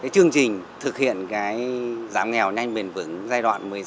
chương trình thực hiện cái